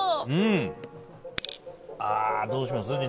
どうします？